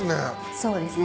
そうですね。